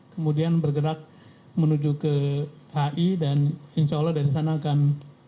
kemudian bergerak menuju ke hi dan insya allah dari sana akan